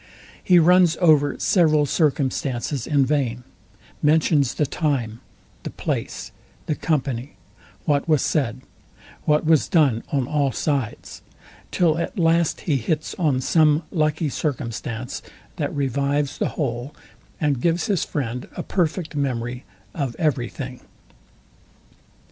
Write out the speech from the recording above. He runs over several circumstances in vain; mentions the time, the place, the company, what was said, what was done on all sides; till at last he hits on some lucky circumstance, that revives the whole, and gives his friend a perfect memory of every thing.